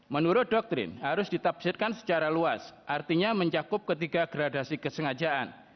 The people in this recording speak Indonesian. menurut doktrin harus ditafsirkan secara luas artinya mencakup ketiga gradasi kesengajaan